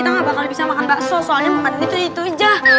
akan bakso soalnya nufi itu itu jah